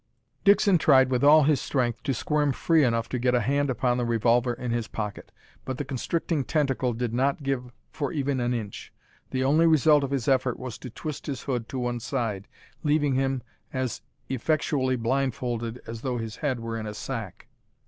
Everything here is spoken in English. Dixon tried with all his strength to squirm free enough to get a hand upon the revolver in his pocket, but the constricting tentacle did not give for even an inch. The only result of his effort was to twist his hood to one side, leaving him as effectually blindfolded as though his head were in a sack.